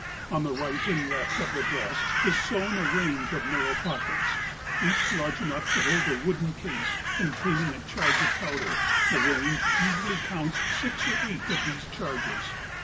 On the right and left of their breast is sewn a range of nar¬ row pockets, each large enough to hold a wooden case containing a charge of powder; the range usually counts six or eight of these cliarges.